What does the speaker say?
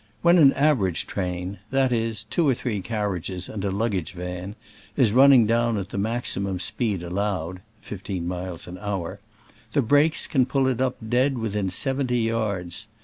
When an average train — that is, two or three carriages and a luggage van — is running down^t the maximum speed allowed (fifteen miles an hour), the brakes can pull it up dead within seventy yards.